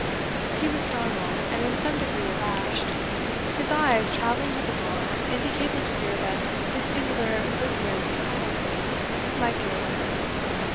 He was startled, and in some degree abashed; his eyes, travelling to the door, indicated a fear that this singular business colloquy might be overheard.